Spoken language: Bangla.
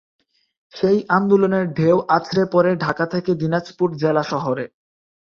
সেই আন্দোলনের ঢেউ আছড়ে পড়ে ঢাকা থেকে দিনাজপুর জেলা শহরে।